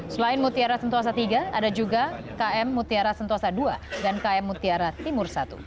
selain mutiara sentosa iii ada juga km mutiara sentosa ii dan km mutiara timur satu